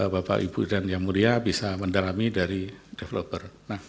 bapak ibu dan yang mulia bisa mendalami dari developer